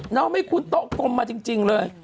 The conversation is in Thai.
น้องไม่คุ้นโต๊ะกลมมาจริงเลย